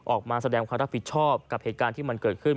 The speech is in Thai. ออกมาแสดงความรับผิดชอบกับเหตุการณ์ที่มันเกิดขึ้น